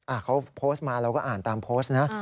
เขาโพสต์มาเราก็อ่านตามโพสต์นะ